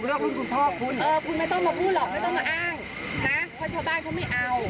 เพราะชาวบ้านเขาไม่เอาคุณก็ยังอยากจะสร้างอย่างนี้